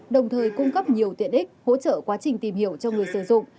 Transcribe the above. đồng thời cung cấp nhiều tiện ích hỗ trợ quá trình tìm hiểu cho người sử dụng